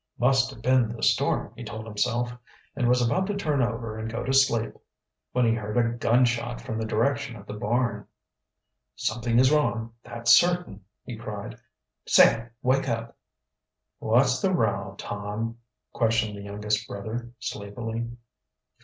"Must have been the storm," he told himself, and was about to turn over and go to sleep when he heard a gun shot from the direction of the barn. "Something is wrong, that's certain!" he cried. "Sam, wake up!" "What's the row, Tom?" questioned the youngest brother sleepily.